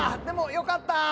でもよかった。